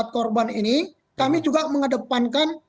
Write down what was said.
empat korban ini kami juga mengedepankan